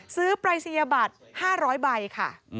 ปรายศนียบัตร๕๐๐ใบค่ะ